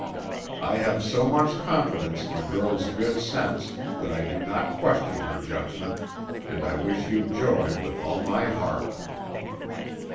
I have so much confidence in the girl's good sense that I do not question her judgment, and I wish you joy with all my heart."